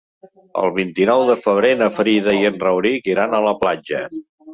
El vint-i-nou de febrer na Frida i en Rauric iran a la platja.